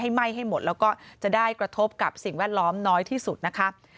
ไหม้ให้หมดแล้วก็จะได้กระทบกับสิ่งแวดล้อมน้อยที่สุดนะคะ